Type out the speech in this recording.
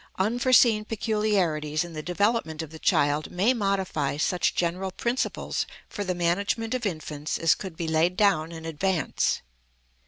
Unforeseen peculiarities in the development of the child may modify such general principles for the management of infants as could be laid down in advance.